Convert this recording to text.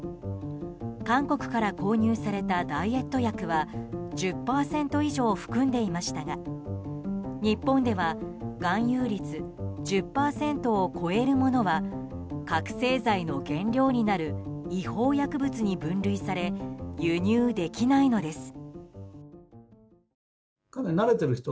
韓国から購入されたダイエット薬は１０％以上含んでいましたが日本では含有率１０％を超えるものは覚せい剤の原料になる違法薬物に分類され輸入できないのです。